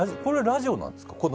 これはラジオなんですか？